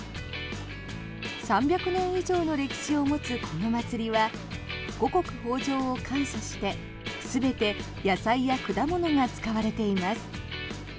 ３００年以上の歴史を持つこの祭りは五穀豊穣を感謝して全て野菜や果物が使われています。